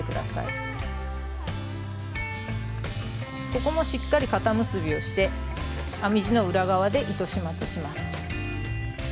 ここもしっかり固結びをして編み地の裏側で糸始末します。